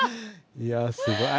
いやすごい。